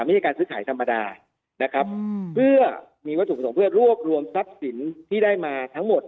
ไม่ใช่การซื้อขายธรรมดานะครับเพื่อมีวัตถุประสงค์เพื่อรวบรวมทรัพย์สินที่ได้มาทั้งหมด